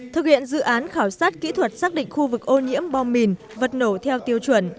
thực hiện dự án khảo sát kỹ thuật xác định khu vực ô nhiễm bom mìn vật nổ theo tiêu chuẩn